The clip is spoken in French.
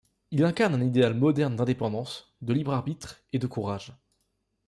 Il incarne un idéal moderne d’indépendance, de libre-arbitre et de courage.